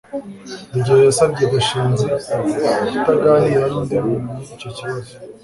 rugeyo yasabye gashinzi kutaganira n'undi muntu icyo kibazo